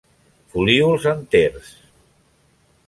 Folíols enters.